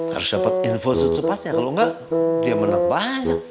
harus cepat info sucepatnya kalau nggak dia menembahannya